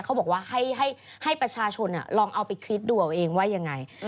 เขาบอกว่าให้ประชาชนลองเอาไปคิดดูเอาเองว่ายังไง